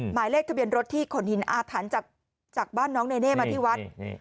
หมายเลขทะเบียนรถที่ขนหินอาถรรพ์จากบ้านน้องเนเน่มาที่วัด